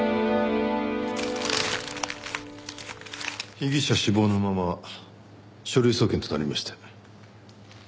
被疑者死亡のまま書類送検となりました。